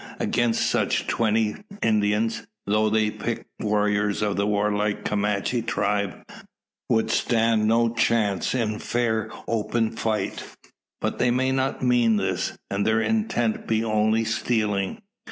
Against such, twenty Indians though the picked warriors of the warlike Comanche tribe would stand no chance in fair open fight. But they may not mean this; and their intent be only stealing?